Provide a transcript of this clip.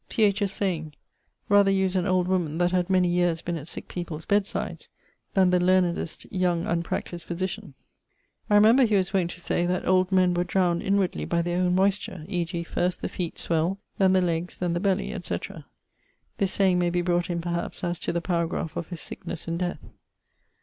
T. H.'s saying: rather use an old woman that had many yeares been at sick people's bedsides, then the learnedst young unpractised physitian. ☞ I remember he was wont to say that 'old men were drowned inwardly, by their owne moysture; e.g. first, the feet swell; then, the legges; then, the belly; etc.' This saying may be brought in, perhaps, as to the paragraph of his sicknesse and death.